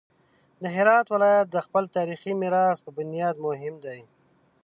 د هرات ولایت د خپل تاریخي میراث په بنیاد مهم دی.